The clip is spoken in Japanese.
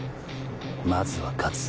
まずは勝つ。